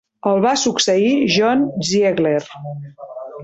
El va succeir John Ziegler.